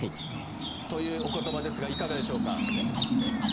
というお言葉ですがいかがでしょうか？